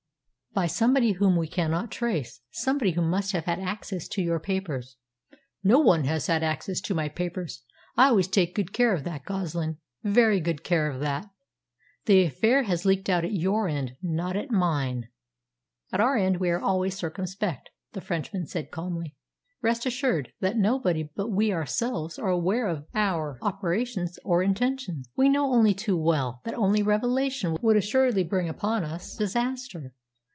"By somebody whom we cannot trace somebody who must have had access to your papers." "No one has had access to my papers. I always take good care of that, Goslin very good care of that. The affair has leaked out at your end, not at mine." "At our end we are always circumspect," the Frenchman said calmly. "Rest assured that nobody but we ourselves are aware of our operations or intentions. We know only too well that any revelation would assuredly bring upon us disaster."